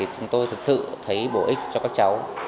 chúng tôi thực sự thấy bổ ích cho các cháu